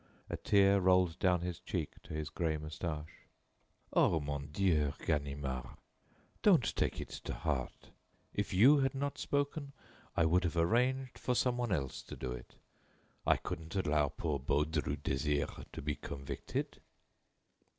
A tear rolled down his cheek to his gray moustache. "Oh! mon Dieu, Ganimard, don't take it to heart. If you had not spoken, I would have arranged for some one else to do it. I couldn't allow poor Baudru Désiré to be convicted."